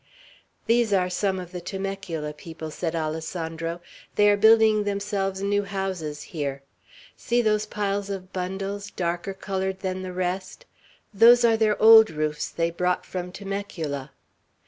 "These are some of the Temecula people," said Alessandro; "they are building themselves new houses here. See those piles of bundles darker colored than the rest. Those are their old roofs they brought from Temecula.